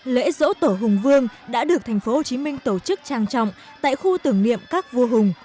lễ dỗ tổ hùng vương đã được tp hcm tổ chức trang trọng tại khu tưởng niệm các vua hùng